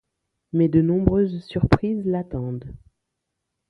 Mais de nombreuses surprises l'attendent...